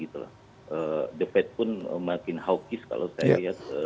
the fed pun makin hawkish kalau saya lihat